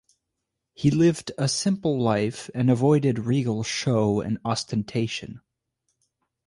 He lived a simple life and avoided regal show and ostentation.